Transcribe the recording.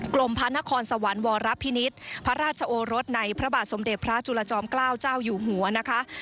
ลมพระนครสวรรค์วรพินิษฐ์พระราชโอรสในพระบาทสมเด็จพระจุลจอมเกล้าเจ้าอยู่หัวนะคะ